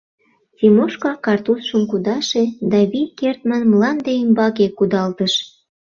— Тимошка картузшым кудаше да вий кертмын мланде ӱмбаке кудалтыш.